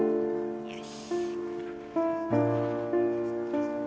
よし。